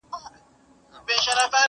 پر پاتا یې نصیب ژاړي په سرو سترګو.!